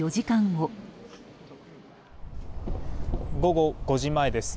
午後５時前です。